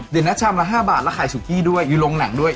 เดี๋ยวนะชามละ๕บาทแล้วขายสุกี้ด้วยอยู่โรงหนังด้วย